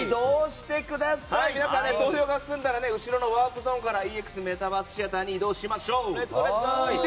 皆さん、投票が済んだら後ろのワープゾーンからＥＸメタバースシアターに移動しましょう。